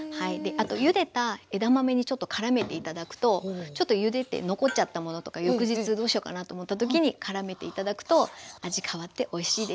あとゆでた枝豆にちょっとからめて頂くとちょっとゆでて残っちゃったものとか翌日どうしようかなと思った時にからめて頂くと味変わっておいしいです。